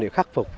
để khắc phục